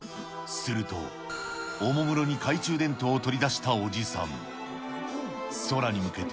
すると、おもむろに懐中電灯を取り出したおじさん。